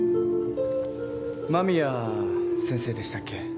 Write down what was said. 間宮先生でしたっけ？